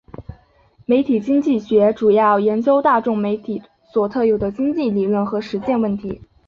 媒体经济学主要研究大众媒体所特有的经济理论和实践问题。